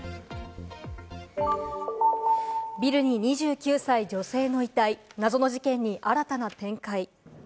ビルに２９歳女性の遺体、謎の事件に新たな展開。